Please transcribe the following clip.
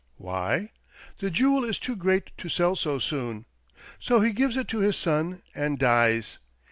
Why ? The jewel is too great to sell so soon. So he gives it to his son and dies.